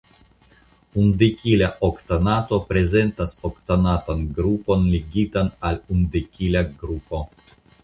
Undekila oktanato prezentas oktanatan grupon ligitan al undekila grupo.